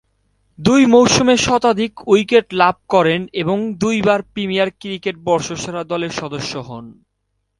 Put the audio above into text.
দুই মৌসুমে শতাধিক উইকেট লাভ করেন এবং দুইবার প্রিমিয়ার ক্রিকেটে বর্ষসেরা দলের সদস্য হন।